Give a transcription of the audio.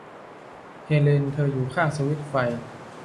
เฮเลน เธออยู่ข้างสวิตช์ไฟ